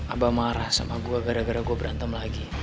abah marah sama gue gara gara gue berantem lagi